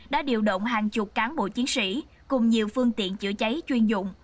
đã điều động hàng chục cán bộ chiến sĩ cùng nhiều phương tiện chữa cháy chuyên dụng